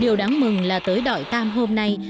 điều đáng mừng là tới đội tan hôm nay